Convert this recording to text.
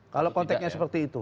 kalau konteknya seperti itu